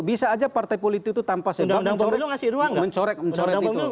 bisa aja partai politik itu tanpa sebab mencorek itu